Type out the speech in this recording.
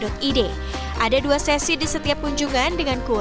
das hidup ada dua sesimbang yang membutuhkan pengamatan reuni bersama mereka adalah